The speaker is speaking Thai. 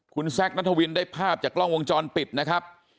คุณแซคนัทวินได้ภาพจากกล้องวงจรปิดนะครับ